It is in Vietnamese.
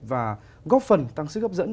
và góp phần tăng sức hấp dẫn